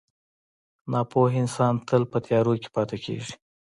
• ناپوهه انسان تل په تیارو کې پاتې کېږي.